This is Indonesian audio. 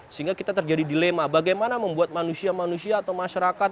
sehingga kita terjadi dilema bagaimana membuat manusia manusia atau masyarakat